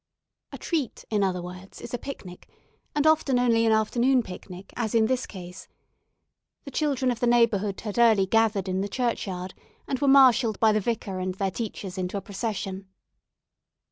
"A treat" in other words is a picnic, and often only an afternoon picnic, as in this case. The children of the neighbourhood had early gathered in the churchyard, and were marshalled by the vicar and their teachers into a procession.